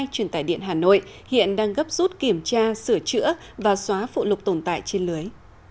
truyền tải điện hà nội hiện đang gấp rút kiểm tra sửa chữa và xóa phụ lục tồn tại trên lưới